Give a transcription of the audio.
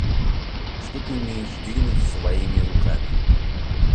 Что ты умеешь делать своими руками?